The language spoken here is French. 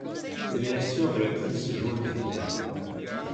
Elle est la sœur de l'actrice Joan Fontaine.